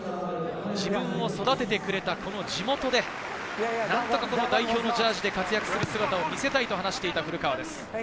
自分を育ててくれた地元で、何とか代表のジャージーで活躍する姿を見せたいと話していた古川です。